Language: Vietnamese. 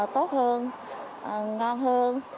tốt hơn ngon hơn